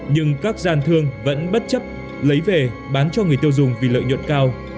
nhưng các gian thương vẫn bất chấp lấy về bán cho người tiêu dùng vì lợi nhuận cao